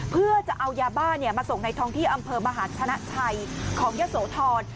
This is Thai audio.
เพื่อจะเอายาบ้ามาส่งในท้องที่อำเภอมหาธนชัยของยะโสธร